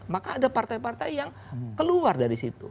maka ada partai partai yang keluar dari situ